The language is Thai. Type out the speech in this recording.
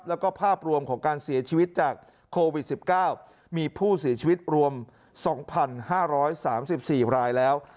แล้วก็ภาพรวมของการเสียชีวิตจากโควิด๑๙มีผู้เสียชีวิตรวม๒๕๓๔รายแล้ว